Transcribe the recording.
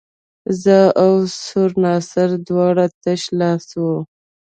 زه او سور ناصر دواړه تش لاس وو.